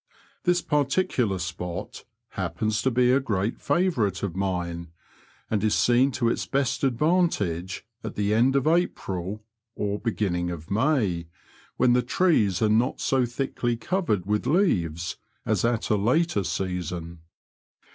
This particular spot happens to be a great favourite of mine, and is seen to its best advantage at the end of April or beginning of May, when the trees are not so thickly covered with leaves as at a later season.